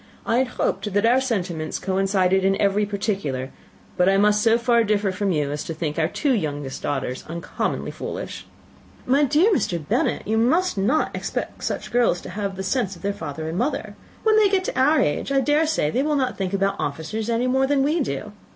I had hoped that our sentiments coincided in every particular, but I must so far differ from you as to think our two youngest daughters uncommonly foolish." "My dear Mr. Bennet, you must not expect such girls to have the sense of their father and mother. When they get to our age, I dare say they will not think about officers any more than we do.